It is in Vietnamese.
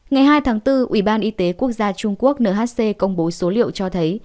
ngày hai tháng bốn ủy ban y tế quốc gia trung quốc nhc công bố số liệu cho thấy